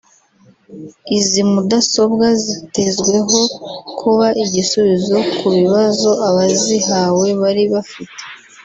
Izi mudasobwa zitezweho kuba igisubizo ku bibazo abazihawe bari bafite